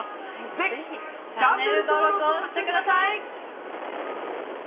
ぜひチャンネル登録をしてください！